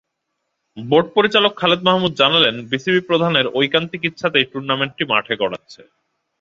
Board পরিচালক খালেদ মাহমুদ জানালেন, বিসিবিপ্রধানের ঐকান্তিক ইচ্ছাতেই টুর্নামেন্টটি মাঠে গড়াচ্ছে।